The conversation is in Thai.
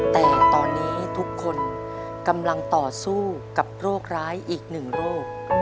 แต่ตอนนี้ทุกคนกำลังต่อสู้กับโรคร้ายอีกหนึ่งโรค